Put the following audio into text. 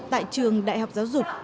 tại trường đại học giáo dục